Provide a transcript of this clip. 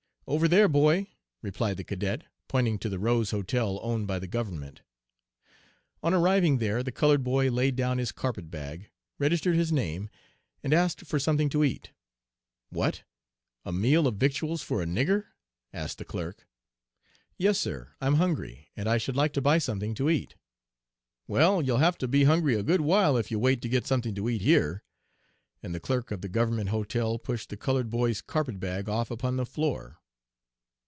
"'Over there, boy,' replied the cadet, pointing to the Rose Hotel owned by the government. "On arriving there the colored boy laid down his carpet bag, registered his name, and asked for something to eat. "'What! A meal of victuals for a nigger?' asked the clerk. "'Yes, Sir, I'm hungry and I should like to buy something to eat.' "'Well, you'll have to be hungry a good while if you wait to get something to eat here,' and the clerk of the government hotel pushed the colored boy's carpet bag off upon the floor.